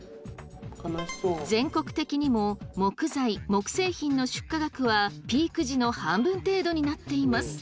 全国的にも木材・木製品の出荷額はピーク時の半分程度になっています。